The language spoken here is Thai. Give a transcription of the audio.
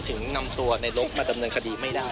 ถึงนำตัวในลบมาดำเนินคดีไม่ได้